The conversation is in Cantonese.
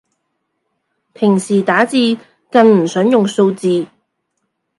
平時打字更唔想用數字